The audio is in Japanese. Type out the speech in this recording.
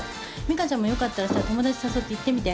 ミカちゃんもよかったらさ友達誘って行ってみて。